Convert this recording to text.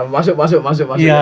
masuk masuk masuk